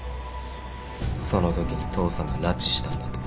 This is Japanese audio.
そのときに父さんが拉致したんだと。